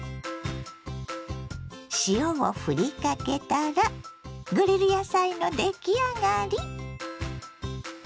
塩をふりかけたらグリル野菜の出来上がり。